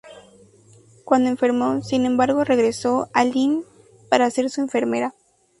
Cuando enfermó, sin embargo, regresó a Lynn para ser su enfermera.